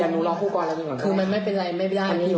เฮ้ยเดี๋ยวเราไปไปไปโรงพยาบาล